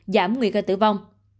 giảm nguy cơ tử vong